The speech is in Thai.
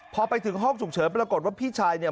พอไปถึงห้องฉุกเฉินปรากฏว่าพี่ชายเนี่ย